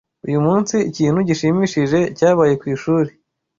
Uyu munsi, ikintu gishimishije cyabaye ku ishuri.